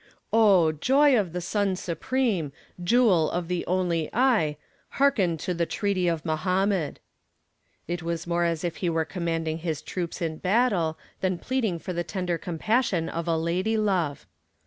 "Oh, joy of the sun supreme, jewel of the only eye, hearken to the entreaty of Mohammed." It was more as if he were commanding his troops in battle than pleading for the tender compassion of a lady love.